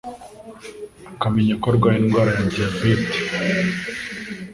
akamenya ko arwaye indwaara ya diabète